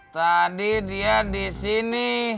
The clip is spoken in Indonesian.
tadi dia disini